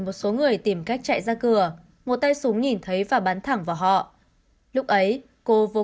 một số người tìm cách chạy ra cửa một tay súng nhìn thấy và bắn thẳng vào họ lúc ấy cô vừa